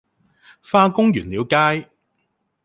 化工原料街